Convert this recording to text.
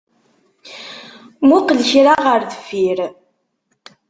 Muqel kra ɣer deffir